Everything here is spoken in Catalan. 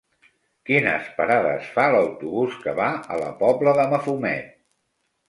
Quines parades fa l'autobús que va a la Pobla de Mafumet?